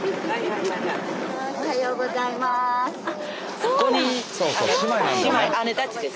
おはようございます。